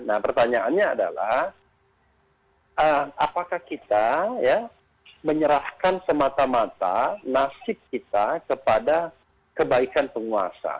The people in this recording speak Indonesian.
nah pertanyaannya adalah apakah kita ya menyerahkan semata mata nasib kita kepada kebaikan penguasa